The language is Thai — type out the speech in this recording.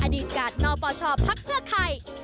อดีตการณ์นอบป่อชอบพักเพื่อใคร